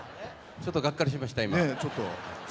ちょっとがっかりしました。